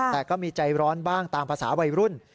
แต่ก็มีใจร้อนบ้างตามภาษาวัยรุ่น